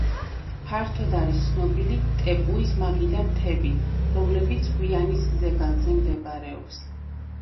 ფართოდ არის ცნობილი ტეპუის მაგიდა მთები, რომლებიც გვიანის ზეგანზე მდებარეობს.